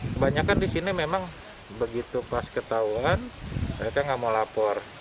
kebanyakan di sini memang begitu pas ketahuan mereka nggak mau lapor